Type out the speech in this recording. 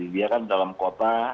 dia kan dalam kota